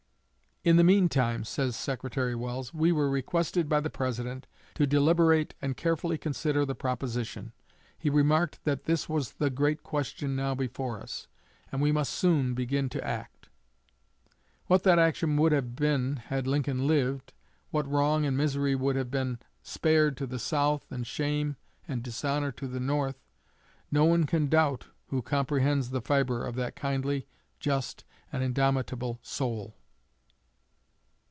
"In the meantime," says Secretary Welles, "we were requested by the President to deliberate and carefully consider the proposition. He remarked that this was the great question now before us, and we must soon begin to act." What that action would have been had Lincoln lived what wrong and misery would have been spared to the South and shame and dishonor to the North no one can doubt who comprehends the fibre of that kindly, just, and indomitable soul.